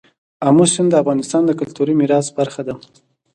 آمو سیند د افغانستان د کلتوري میراث برخه ده.